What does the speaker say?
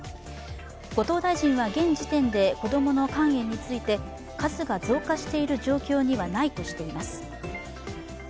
後藤大臣は現時点で子供の肝炎について数が増加している状況にはないとしています。